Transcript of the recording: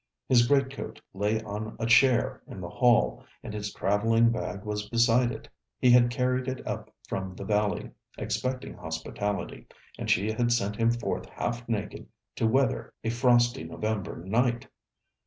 His great coat lay on a chair in the hall, and his travelling bag was beside it. He had carried it up from the valley, expecting hospitality, and she had sent him forth half naked to weather a frosty November night!